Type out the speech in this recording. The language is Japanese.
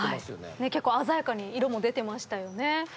鮮やかに色も出てましたよね。